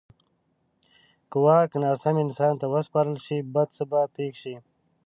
که واک ناسم انسان ته وسپارل شي، بد څه به پېښ شي.